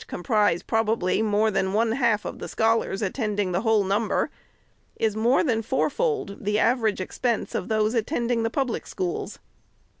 415 prise, probably, more than one half of the scholars attend ing the whole number, is more than fourfold the average expense of those attending the public schools.